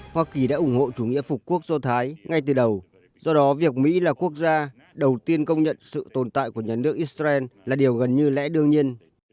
hoa kỳ đã ủng hộ chủ nghĩa phục quốc do thái ngay từ đầu do đó việc mỹ là quốc gia đầu tiên công nhận sự tồn tại của nhà nước israel là điều gần như lẽ đương nhiên